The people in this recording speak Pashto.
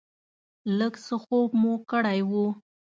لږ څه خوب مو کړی و.